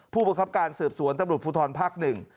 ผู้บังคับการสืบสวนตำรวจภูทรภาคหนึ่ง